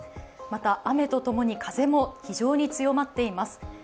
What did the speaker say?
また、雨とともに風も非常に強まっています。